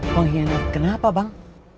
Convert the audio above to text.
pengkhianat kenapa bang